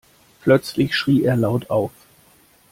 Plötzlich schrie er laut auf.